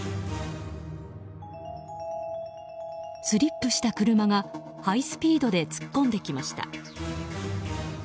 スリップした車がハイスピードで突っ込んできました。